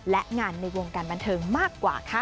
และงานในวงการบันเทิงมากกว่าค่ะ